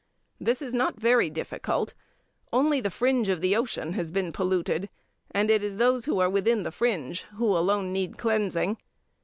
This is not very difficult. Only the fringe of the ocean has been polluted, and it is those who are within the fringe who alone need cleansing.